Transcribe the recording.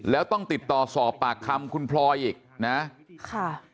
แล้วต้องติดต่อสอบปากคำคุณพลอยอีกนะค่ะ